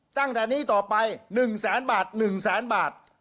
ตั้งแต่นี้ต่อไป๑แสนบาท๑แสนบาท